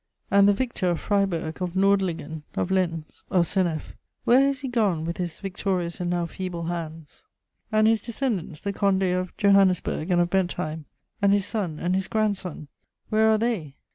And the victor of Friburg, of Nördlingen, of Lens, of Senef, where has he gone with his "victorious and now feeble hands"? And his descendants, the Condé of Johannisberg and of Bentheim, and his son, and his grandson, where are they?